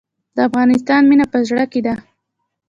د افغانستان مینه په زړه کې ده